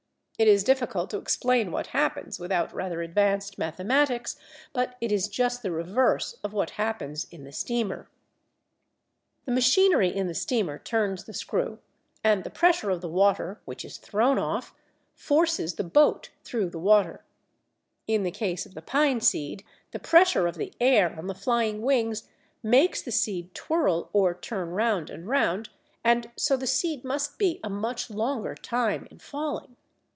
It is difficult to explain what happens without rather advanced mathematics, but it is just the reverse of what happens in the steamer. The machinery in the steamer turns the screw, and the pressure of the water, which is thrown off, forces the boat through the water; in the case of the pineseed, the pressure of the air on the flying wings makes the seed twirl or turn round and round, and so the seed must be a much longer time in falling.